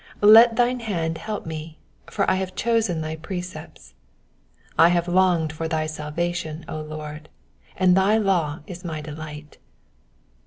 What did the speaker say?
173 Let thine hand help me ; for I have chosen thy precepts. 174 I have longed for thy salvation, O Lord ; and thy law is my delight.